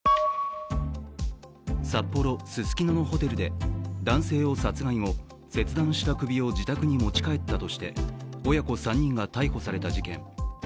札幌・ススキノのホテルで男性を殺害後切断した首を自宅に持ち帰ったとして親子３人が逮捕された事件。